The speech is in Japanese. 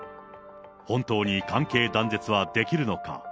本当に関係断絶はできるのか。